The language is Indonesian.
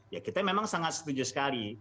ya kita memang sangat setuju sekali